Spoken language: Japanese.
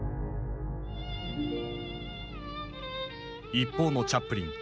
一方のチャップリン。